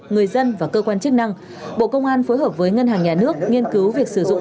người dân và cơ quan chức năng bộ công an phối hợp với ngân hàng nhà nước nghiên cứu việc sử dụng